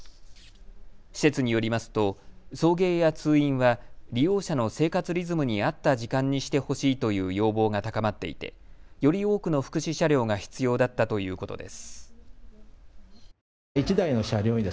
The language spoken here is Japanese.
施設によりますと送迎や通院は利用者の生活リズムに合った時間にしてほしいという要望が高まっていてより多くの福祉車両が必要だったということです。